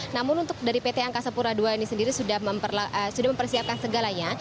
namun untuk dari pt angkasapura dua ini sendiri sudah mempersiapkan segalanya